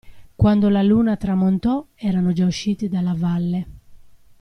Quando la Luna tramontò erano già usciti dalla valle.